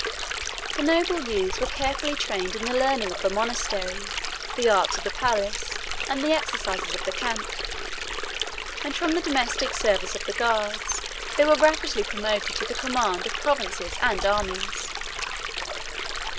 The noble youths were carefully trained in the learning of the monastery, the arts of the palace, and the exercises of the camp: and from the domestic service of the guards, they were rapidly promoted to the command of provinces and armies.